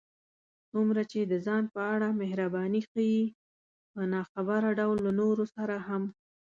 څومره چې د ځان په اړه محرباني ښيې، په ناخبره ډول له نورو سره هم